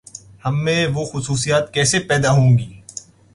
ہم میں وہ خصوصیات کیسے پیداہونگی؟